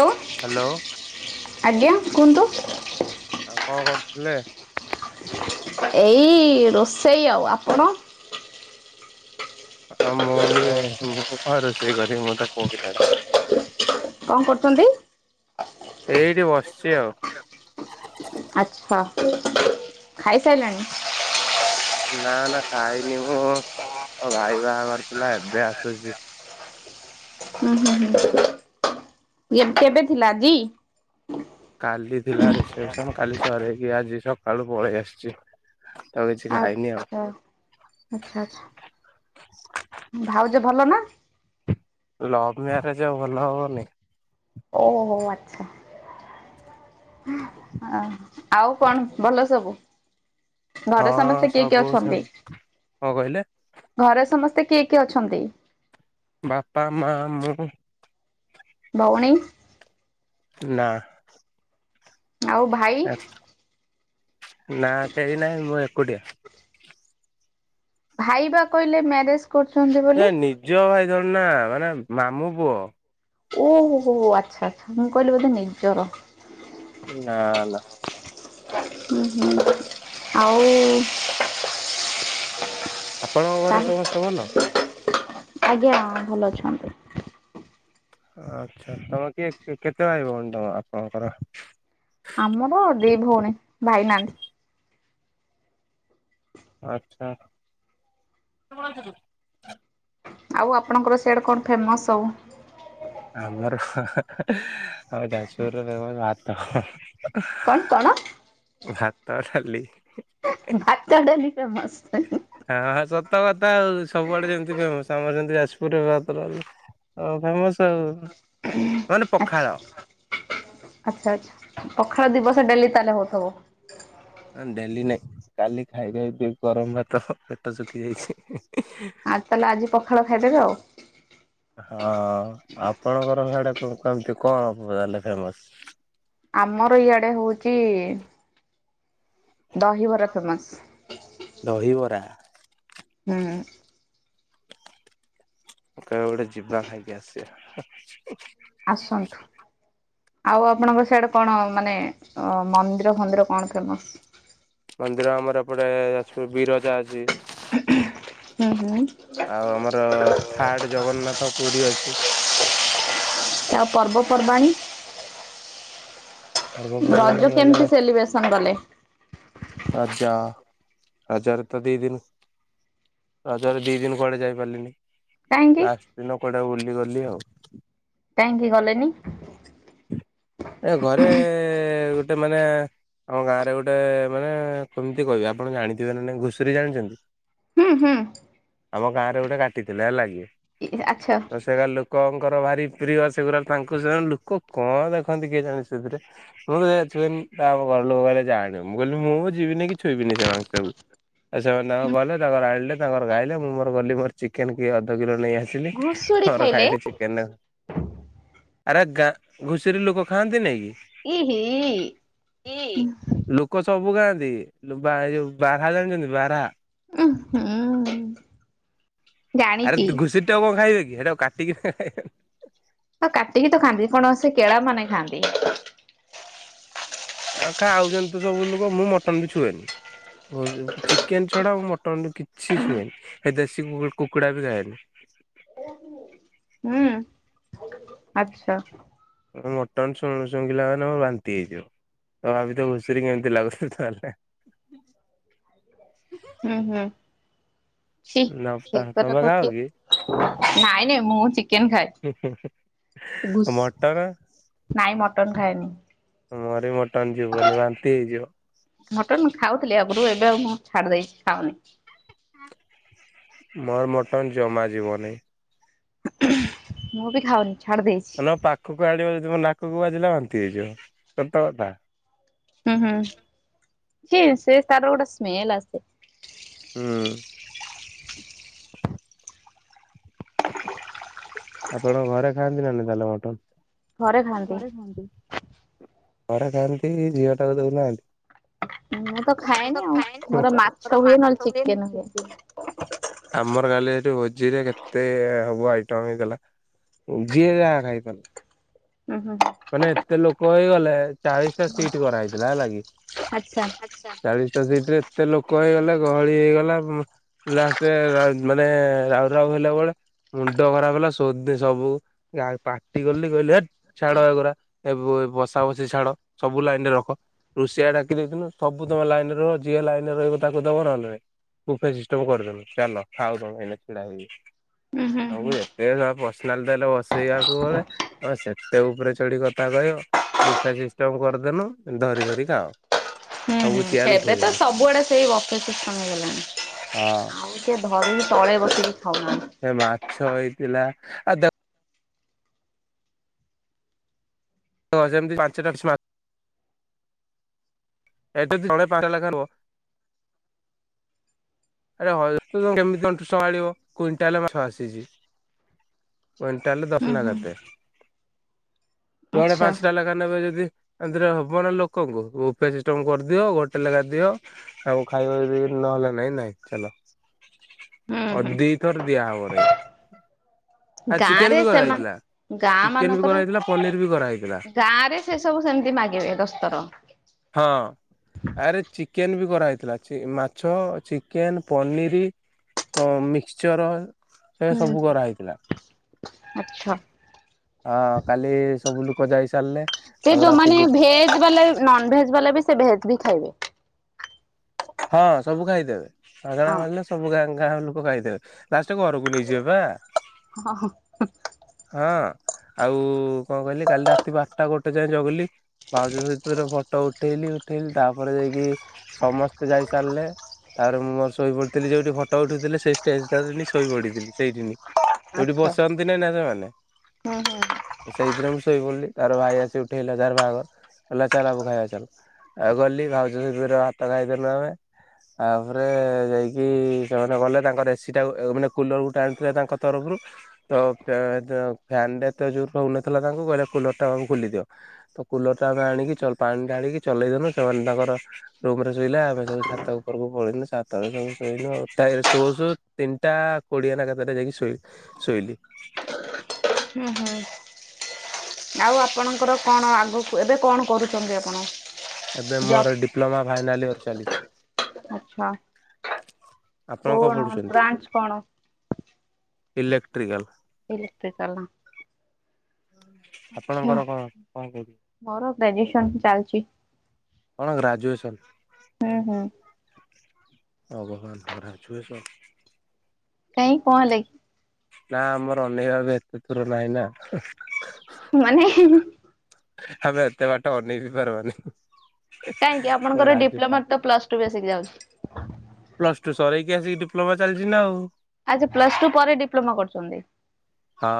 Hello ଆଜ୍ଞା କୁହନ୍ତୁ। ଆଉ କଣ କରୁଥିଲେ? ଏଇ ରୋଷେଇ ଆଉ ଆପଣ। ଆଉ ମୁଁ ବି ମୁଁ ରୋଷେଇ କରିବି ମୁଁ ତ ପୁଅ ପିଲାଟା। କଣ କରୁଚନ୍ତି? ଏଇଠି ବସ୍ଚି ଆଉ। ଖାଇସାଇଲଣି? ନା-ନା ଖାଇନି ମୁଁ ମୋ ଭାଇ ବାହାଘର ଥିଲା ଏବେ ଆସୁଛି। ହୁଁ-ହୁଁ-ହୁଁ କେବେ ଥିଲା ଆଜି? କାଲି ଥିଲା ରିସେପସନ କାଲି ସରକି ଆଜି ସକାଳୁ ପଳେଇ ଆସିଛି ତ କିଛି ଖାଇନି ଆଉ। ଆଚ୍ଛା-ଆଚ୍ଛା-ଆଚ୍ଛା ଭାଉଜ ଭଲ ନା? ଲଭ ମ୍ୟାରେଜ ଆଉ ଭଲ ହବନି। ଓ ହୋ ଆଚ୍ଛା। ହଃ ଆଃ ଆଉ କଣ ଭଲ ସବୁ? ହଁ ଘରେ ସମସ୍ତେ କିଏ କିଏ ସବୁ ଅଛନ୍ତି ସେମତି କଣ କହିଲେ? ଘରେ ସମସ୍ତେ କିଏ କିଏ ଅଛନ୍ତି? ବାପା ମା ମୁଁ ଭଉଣୀ? ନା। ଆଉ ଭାଇ ନା କେହି ନାହିଁ ମୁଁ ଏକୁଟିଆ। ଭାଇ ବା କହିଲେ ମ୍ୟାରେଜ କରୁଛନ୍ତି ବୋଲି। ନିଜର ନା ମାନେ ମାମୁଁ ପୁଅ। ଓ ହୋ ଆଚ୍ଛା-ଆଚ୍ଛା ମୁଁ କହିଲି ବୋଧେ ନିଜର। ନା-ନା। ହ ହୁଁ ଆଉ ଆପଣଙ୍କ ଘରେ ସମସ୍ତେ ଭଲ? ଆଜ୍ଞା ଭଲ ଅଛନ୍ତି। ଆଚ୍ଛା ତମେ କିଏ କେତେ ଭାଇ ଭଉଣୀ ତମ ଆପଣଙ୍କର? ଆମର ଦି ଭଉଣୀ ଭାଇନାହାନ୍ତି। ଆଚ୍ଛା। ଆଉ ଆପଣଙ୍କର ସିଆଡେ କଣ ଫେମସ୍ ସବୁ। ଆମର ଆମ ଯାଜପୁର ରେ ଭାତ। କଣ କଣ ଭାତ ଡାଲି। ଭାତ ଡାଲି ଫେମସ। ହଁ ହଁ ସତ କଥା ଆଉ ସବୁଆଡେ ଯେମତି ଫେମସ ଆମର। ସେମିତି ଯାଜପୁରରେ ଭାତ ଡାଲି ଉଁ ଫେମସ। ଆଉ ମାନେ ଆଛା ପଖାଳ ଆଛା ଆଛା ପଖାଳ ଦିବସ ଡେଲି ତାହେଲେ ହଉଥିବ। ହଁ ଡେଲି ନାଇଁ କାଲି ଖାଇଦେଇଥିଲି ଗରମ ଭାତ ପେଟ ଶୁଖି ଯାଇଛି। ଆଜି ତାହେଲେ ଆଜି ପଖାଳ ଖାଇଦେବେ। ଆଉ। ହଁ ଆପଣଙ୍କର ସେଆଡେ। କମତି କଣ ତାଲେ ଫେମସ। ଆମର ଇଆଡେ ହଉଛି। ଦହିବରା ଫେମସ। ଦହିବରା। ହୁଁ। କେବେ ଗୋଟେ ଯିବା ଖାଇକି ଆସିବା। ଆସନ୍ତୁ। ଆଉ ଆପଣଙ୍କ ସିଆଡେ କଣ ମାନେ ମନ୍ଦିର ଫନ୍ଦିର କଣ ଫେମସ। ମନ୍ଦିର ଆମର ଏପଟେ ଯାଜପୁର ବିରଜା ଅଛି। ହୁଁ ହୁଁ। ଆଉ ଆମର ଥାର୍ଡ ଜଗନ୍ନାଥ ପୁରୀ ଅଛି। ଆଉ ପର୍ବପର୍ବାଣୀ। ପର୍ବପର୍ବାଣୀ ରଜ କହିଲେ କେମିତି ସେଲିବ୍ରେସନ କଲେ। ରଜ ରଜରେ ତ ଦି ଦିନ ରଜରେ ଦି ଦିନ କୁଆଡେ ଯାଇ ପାରିଲୁନି। କାହିଁକି ଲାଷ୍ଟ ଦିନ କୁଆଡେ ବୁଲିଗଲି ଆଉ। କାହିଁକି ଗଲେନି। ଏ ଘରେ ଗୋଟେ ମାନେ ଆମ ଗାଁରେ ଗୋଟେ ମାନେ କେମିତି କହିବେ ଆପଣ ଜାଣିଥିବେ ନା ନଁ ଘୁଷୁରୀ ଜାଣିଛନ୍ତି। ହୁଁ ହୁଁ। ଆମ ଗାଁ ରେ ଗୋଟେ କାଟିଥିଲେ ହେଲାଗି ଇ ଆଚ୍ଛା। ତ ସେ ଗାଁ ଲୋକ ତାଙ୍କର ଭାରି ପ୍ରିୟ ସେଗୁରା ତାଙ୍କ ସେ ଲୋକ କଣ ଦେଖନ୍ତି କିଏ ଜାଣି ସେଥିରେ ମୁଁ ଛୁଆ ତା ଘର ଲୋକଲେ ଜାଣିବି ମୁଁ କହିଲି ମୁଁ ଯିବ ଛୁଇଁନି କି ଛୁଇଁବିନି ସେ ମାଂସକୁ ଏ ସେମାନେ ତାଙ୍କର ଗଲେ ତାଙ୍କର ଆଣିଲେ ତାଙ୍କର ଖାଇଲେ ମୁଁମୋର ଗଲି ମୋର ଚିକେନ କିଏ ଅଧ କିଲୋ ନେଇ ଆସି ଘୁଷୁରୀ ମୋର ଖାଇଲେ ଖାଇଲି ଚିକେନ ଆରେ ଗାଁ ଘୁଷରି ଲୋକ ଖାଆନ୍ତି ନାଇଁ ଇହି। କି ଲୋକ ସବୁ ଖାଆନ୍ତି। ଯୋଉ ବାରା ଜାଣିଛନ୍ତି ବାରା। ଉଁ ହୁଁ ଆରେ ଜାଣିଚି। ଘୁଷରି ଟାକୁକଣ ଖାଇବେ କି। ହେଟା କୁ କାଟିକି ଖାଇବନା। ଆଉ କାଟିକି ତ ଖାଆନ୍ତି କଣ ସେ କେଳା ମାନେ ଖାଆନ୍ତି। ଆ ଖାଉଛନ୍ତି ତ ସବୁ ଲୋକ ମୁଁ ମଟନ ବି ଛୁଏନି। ହ ଚିକେନ ଛଡା ଆଉ ମଟନ କିଛି ଛୁଏନି ଏ ଦେଶୀ କୁକୁଡା ବି ଖାଏନି। [inaudible] ହୁଁ ଆଛା। ମଟନ୍ ଶୁଣ ଶୁଙ୍ଗିଲା ମାନେ ଆମର ବାନ୍ତି ହେଇଯିବ। ହଉ ଆ ତ ଘୁଷରି କେମିତି ଲାଗୁଛ ତାହାଲେ। ହୁଁ ହୁଁ। ଛି। ଗ୍ଲୋବସ୍ ଟା ହାତରେ ସେଗୁରାକ କିଏ ଲଗାଅ କି? ନାଇଁ ନାଇଁ ମୁଁ ଚିକେନ ଖାଏ ଘୁସ୍ ମଟର ନାଇଁ ମଟନ ଖାଏନି। ମୋରି ମଟନ ଯିବନି ବାନ୍ତି ହେଇଯିବ। ଥିଲି ଆଗରୁ ଏବେ ଆଉ ମୁଁ ଛାଡି ଦେଇଚି ଖାଉନି। ମୋର ମଟନ ଜମା ଯିବନି। ମୁଁ ବି ଖାଉନି। ଛାଡି ଦେଇଛି। ନ ପାଖକୁ ଆଣିବ ଯଦି ମୋ ନାକକୁ ବାଜିଲା ବାନ୍ତି ହେଇଯିବ ସତ କଥା। ହୁଁ ହୁଁ ସେ ସେ ତାର ଗୋଟେ ସ୍ମେଲ ଆସେ। ହୁଁ। ଆପଣଙ୍କ ଘରେ ଖାଆନ୍ତି ନା ନାହିଁ ତାହେଲେ ମଟନ। ଘରେ ଖାଆନ୍ତି। ଘରେ ଖାଆନ୍ତି ଝିଅ ଟାକୁ ଦଉନାହାନ୍ତି। ମୁଁ ତ ଖାଏନି, ମୋର ମାଛ ହୁଏ ନହେଲେ ଚିକେନ। ଆମର କାଲି ଏଠି ଭୋ ଜି ରେ କେତେ ହବ ଆଇଟମ ହେଇଥିଲା ଯିଏ ଯାହା ଖାଇପାରିଲା। ହୁଁ ହୁଁ। ମାନେ ଏତେ ଲୋକ ହେଇଗଲେ ଚାଳିଶ ଟା ସିଟ କରାହଇଥିଲା ହେଲାକି। ଆଚ୍ଛା ଚାଳିଶ ଟା ସିଟ ରେ ଏତେ ଲୋକ ହେଇଗଲେ ଗହଳି ହେଇଗଲା ଲାଷ୍ଟରେ ମାନେ ରାଉ ରାଉ ହେଲା ବେଳେ ମୁଣ୍ଡ ଖରାପ ହେଲା ସୋଧି ସବୁ ପାଟି କଲି କହିଲି ହେଠ। ଛାଡ ଏଗୁଡ଼ା ଏ ବସା ବସି ଛାଡ ସବୁ ଲାଇନ ରେ ରଖ। ରୁଷିଆ ଡାକି ଦେଇଥଥିଲୁ ସବୁ ତକ ଲାଇନ ରେ ରହ ଯିଏ ଲାଇନ ରେ ରହିବ ତାକୁ ଦବ ନା ନାଇଁ। ବୁଫେ ସିଷ୍ଟମ କରିଦେନୁ ଚାଲ ଖାଅ ତମେ ଏଇନା ଛିଡା ହେଇକି। ଉୁଁ ହୁଁ ତମକୁ ହୁଁ ଯେତେ ଯାହା ପରସନାଲ ଦେଲେ ବସେଇବାକୁ ମାନେ ସେ ସେତେ ଉପରେ ଚଢି କଥା କହିବ, ବୁଫେ ସିଷ୍ଟମ କରିଦେନୁ ଧରି ଧରି ଖାଅ। ହୁଁ ସବୁ ଚେୟାର ଏବେ ତ ଉଠେଇଦେନୁ ସବୁଆଡେ ସେଇ ବଫେ ସିଷ୍ଟମ ହେଇ ଗଲାଣି। ହଁ। ଆଉ କିଏ ଧରିକି ତଳେ ବସିକି ଖାଉନାହାନ୍ତି। ସେ ମାଛ ହେଇଥିଲା ଆଉ ଦେଖ ଖ ସେମିତି ପାଞ୍ଚଟା ମାଚ୍ ଏଠି ଜଣେ ପାଞ୍ଚଟା ଲଖା ରୁହ। ଆରେ ହ ଏତେ କେମିତି ତଣ୍ଟୁ ସମ୍ଭାଳିବ କୁଇଣ୍ଟାଲେ ମାଛ ଆସିଚି। କୁଇଣ୍ଟାଲରେ ହୁଁ ଦଶ ନା ହୁଁ କେତେ ଜଣେ ଆଚ୍ଛା ପାଞ୍ଚଟା ଲେଖା ନେବେ ଯଦି ଏମତିରେ ହବ ନା ଲୋକଙ୍କୁ, ବୁଫେ ସିଷ୍ଟମ କରିଦିଅ ଗୋଟେ ଲେଖାଦିଅ ଆଉ ଖାଇବା ଯଦି ନ ହେଲା ନାଇଁ ନାଇଁ ଚାଲ ହୁଁ ହୁଁ [unintelligible] ଦିଥର ଦିଆହବନାଇ। ଆଉ ଗାଁ ଚିକେନ ରେ ବି କରାହେଇଥିଲା। ସେମାନେ ଗାଁ ଚିକେନ ବି ମାନଙ୍କରେ କରାହେଇଥିଲା ପନିର ବି କରାହେଇଥିଲା ଗାଁ ରେ ସେ ସବୁ ସେମିତି ମାଗିବେ ଦଶଥର। ହଁ ଆରେ ଚିକେନ ବି କରାହେଇଥିଲା ମାଛ ଚି କେନ୍ ପନିରି ହଁ ମିକ୍ସଚର୍ ସେ ସବୁ କରାହେଇଥିଲା। ଆଛା। ହଁ କାଲି ସବୁ ଲୋକ ଯାଇ ସାରିଲେ ସେ ତାପରେ ରାତି ଯୋଉମାନେ ଗୋ ଭେଜ ବାଲା ନନ ଭେଜ ବାଲା ସେ ଭେଜ ବି ଖାଇବେ। [inaudible] ହଁ ସବୁ ଖାଇଦେବେ ମାଗଣା ହଁ ମାଗିଲେ ସବୁ ଆଣି ଗାଁ ଲୋକ ଖାଇଦେବେ ଲାଷ୍ଟ ଘରକୁ ନେଇଯିବେ ପା। ହଁ ହଁ ହୁଁ। ହଁ। ଆଉ କଣ କହିଲି କାଲି ରାତି ବାରଟା ଗୋଟେ ଯାଏ ଜଗଲି ଭାଉଜ ସହିତର ଫଟୋ ଉଠେଇଲି। ଉଠିଲି ତାପରେ ଯାଇକି ସମସ୍ତେ ଯାଇ ସାରିଲେ ତାରେ ମୁଁ ମୋର ଶୋଇ ପଡିଥିଲି ଯୋଉଠି ଫଟୋ ଉଠଉଥିଲେ ସେଇ ଷ୍ଟେଜ ଟାରେଁ ଶୋଇ ପଡିଥିଲି ସେଇଠିନି। ଯୋଉଠି ଆଚ୍ଛା ବସନ୍ତିନି ନା ସେମାନେ ହୁଁ ହୁଁ ସେଇଥିରେ ମୁଁ ଶୋଇପଡିଲି ତାର ଭାଇ ଆସି ଉଠେଇଲା ଯାର ବାହାଘର। ଗଲା ଚାଲ ଆବୁ ଖାଇବା ଚାଲ ଆଉ ଗଲି ଭାଉଜ ସହିତରେ ଭାତ ଖାଇଦେଲୁ ଆମେ। ତାପରେ ଯାଇକି ସେମାନେ ଗଲେ ତାଙ୍କର ଏ ସି ଟା ମାନେ କୁଲର କୁ ଟାଣୁଥିଲେ ତାଙ୍କ ତରଫରୁ଼। ତ [unintelligible] ଫ୍ୟାନ ଟା ଏତେ ଜୋର ରହୁନଥିଲା ତାଙ୍କୁ କହିଲେ କୁଲରଟା ଆକୁ ଖୋଲି ଦିଅ ତ କୁଲରଟା ଆମେ ଆଣିକି ଚ ପା ପାଣି ଢାଳିକି ଚଲେଇଦେଲୁ ସେମାନେ ତାଙ୍କର ରୁମ ରେ ଶୋଇଲେ ଆମେ ସବୁ ଛାତ ଉପରକୁ ପଳେଇଲୁ ଛାତରେ ସବୁ ଶୋଇଲୁ। ଶୋଉ ଶୋଉ ତିନିଟା କୋଡିଏ ନା କେତେ ଯାଇକି ଶୋଇ ଶୋଇଲି। ହୁଁ ହୁଁ ଆଉ ଆପଣଙ୍କର କଣ ଆଗକୁ ଏବେ କଣ କରୁଛନ୍ତି ଆପଣ? ଏବେ ଜବ୍ ମୋର ଡିପ୍ଲୋମା ଫାଇନାଲ ଇୟର ଚାଲିଚି। ଆଚ୍ଛା କଣ ବ୍ରାଞ୍ଚ କଣ? ଇଲେକ୍ଟ୍ରିକାଲ। ଇଲେକ୍ଟ୍ରିକାଲ। ଆଚ୍ଛା ଆପଣଙ୍କର କଣ କଣ କହୁଛନ୍ତି? ମୋର ଗ୍ରାଜୁଏସନ ଚାଲିଚି। କଣ ଗ୍ରାଜୁଏସନ? ହୁଁ ହୁଁ। ଭଗବାନ ଗ୍ରାଜୁଏସନ। କାଇଁ କଣ ହେଲା କି? ନା ଆମର ଅନେଇ ଭାରେ ଏତେଥର ନାହିଁ ନା। ମାନେ ଆମେ ଏତ ବାଟ ଅନେହିଁ ପାରିବା କାହିଁକି ନି। ଆପଣଙ୍କର ରା଼ଜ ଡିପ୍ଲୋମା ତ ପ୍ଲସ ଟୁ ବେସିକ ଯାଉଛି ପ୍ଲସ୍ ଟୁ ସରି ଏଠିକି ଆସି ଡିପ୍ଲୋମା ଚାଲିଛି ନା ଆଉ। ଆଚ୍ଛା ପ୍ଲସ୍ ଟୁ ପରେ ଡିପ୍ଲୋମା କରୁଛନ୍ତି। ହଁ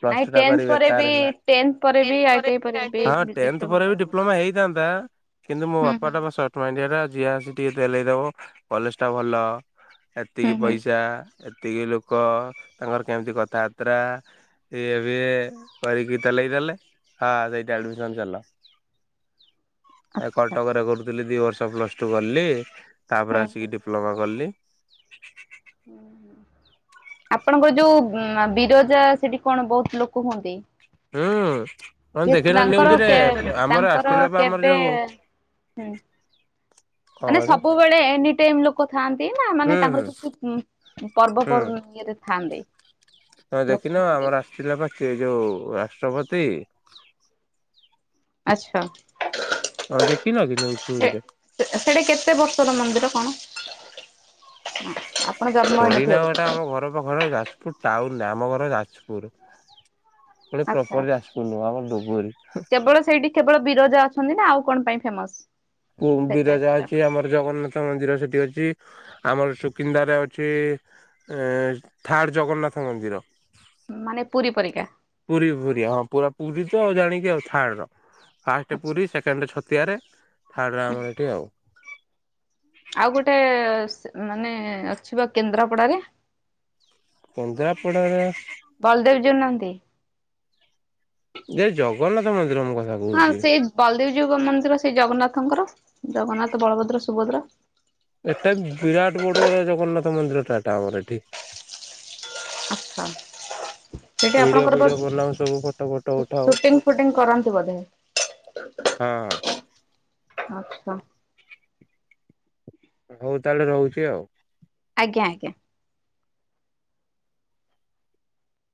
ପ୍ଲସ ନାଇଁ ଟୁ ଟା ଟେନ୍ କରି ପରେ ବେକାର ବି ହେଲା। ଟେନ ପରେ ବି ଆଇଟିଆଇ ପରେ ବି ଡିପ୍ଲୋମା ଯୋଉ କରନ୍ତି। ଡିପ୍ଲୋମା ହେଇଥାନ୍ତା କିନ୍ତୁ ମୋ ହୁଁ ବାପା ହୁଁ ଟା ଶଟ୍ ମାଣ୍ଡିଆ ଯିହା ଆସି ଟିକେ ତେଲେଇ ଦେବ କଲେଜଟା ଭଲ ହୁଁ ଏତିକି ହୁଁ ପଇସା। ଏତିକି ଲୋକ ତାଙ୍କର କେମିତି କଥାବାର୍ତ୍ତା। ସେ ଏବେ କରିକି ତେଲେଇ ଦେଲେ ହଁ ସେଇଟି ଆଡମିସନ ଚାଲ ଚିଂ ଏ ଆଚ୍ଛା ଆଚ୍ଛା କଟକରେ କରୁଥିଲି ଦି ବର୍ଷ ପ୍ଲସ ଟୁ କଲି ହୁଁ। ତାପରେ ହୁଁ। ଆସିକି ଡିପ୍ଲୋମା କଲି। ହୁଁ-ହୁଁ। ଆପଣଙ୍କର ଯୋଉ ବିରଜା ସେଠି କଣ ବହୁତ ଲୋକ ହୁଅନ୍ତି? ହୁଁ। ହଁ ଦେଖିନ ତାଙ୍କର ନ୍ୟୁଜରେ କେ ଆମର ତାଙ୍କର ଆସିଥିଲା ବା ଆମର କେବେ ଯୋଉ ହୁଁ କଣ ମାନେ କହିଲ ସବୁବେଳେ ନି ସେମ୍ ଲୋକ ଥାଆନ୍ତି ନା ହୁଁ ମାନେ ହୁଁ। ତାଙ୍କର କିଛି ପର୍ବ ପ ହୁଁ ଇଏରେ ଥାନ୍ତି? ତମେ ଦେଖିନ ଆମର ଆସିଥିଲେ ପା ଯୋଉ ରାଷ୍ଟ୍ରପତି ଆଚ୍ଛା। ହଁ ଦେଖିନ କି ନ୍ୟୁଜ୍ ଫ୍ୟୁଜରେ? ସେଟା କେତେ ବର୍ଷର ମନ୍ଦିର କଣ? [inaudible] ହେଇନଥିବେ ବୋଧେ ପଡିନାଁଟା ଆମ ଘର ପାଖରେ ଯାଜପୁର ଟାଉନରେ ଆମ ଘର ଯାଜପୁର। ପୁଣି ଆଚ୍ଛା ପ୍ରପର ଆଚ୍ଛା। ଯାଜପୁର ନୁହେଁ ଆମର ଡ଼ୁବୁରୀ। କେବଳ ସେଇଠି କେବଳ ବିରଜା ଅଛନ୍ତି ନା ଆଉ କଣ ପାଇଁ ଫେମସ? ବିରଜା ଅଛି ଆମର ଜଗନ୍ନାଥ ମନ୍ଦିର ସେଠି ଅଛି ଆମର ସୁକିନ୍ଦାରେ ଅଛି ଥାର୍ଡ଼ ଜଗନ୍ନାଥ ମନ୍ଦିର। ମାନେ ପୁରୀ ପରିକା ପୁରୀ-ପୁରୀ ହଁ ପୁରା ପୁରୀ ତ ଆଉ ଜାଣିକି ଆଉ ଥାର୍ଡ଼ ର। ଫାଷ୍ଟ ଆଚ୍ଛା। ପୁରୀ ସେକେଣ୍ଡ ଛତିଆରେ ଥାର୍ଡ଼ରେ ଆମର ଏଠି ଆଉ। ଆଉ ଗୋଟେ ମାନେ ଅଛି ପା କେନ୍ଦ୍ରାପଡ଼ାରେ? କେନ୍ଦ୍ରାପଡ଼ାରେ ବଳଦେବ ଜୀଉ ନାହାନ୍ତି? ଯେ ଜଗନ୍ନାଥ ମନ୍ଦିର ମୁଁ କଥା ହଁ କହୁଛି। ସେଇ ବଳଦେବଜୀଉ ମନ୍ଦିର ସେଇ ଜଗନ୍ନାଥଙ୍କର ଜଗନ୍ନାଥ, ବଳଭଦ୍ର, ସୁଭଦ୍ରା। ଏଟା ବିରାଟ ବଡ଼ ଜଗନ୍ନାଥ ମନ୍ଦିର ଟା ଏଟା ଆମର ଏଠି। ଆଛା ସେଠି ଭିଡିଓ ଆପଣଙ୍କର ବସ୍ ଫିଡିଓ ବନାଉ ସବୁ ଫଟୋ ଫଟୋ ଉଠାଉ। ସୁଟିଂ ଫୁଟିଂ କରନ୍ତି ବୋଧେ? ହଁ। ଆଚ୍ଛା। ହଉ ତାହେଲେ ରହୁଛି ଆଉ। ଆଜ୍ଞା ଆଜ୍ଞା।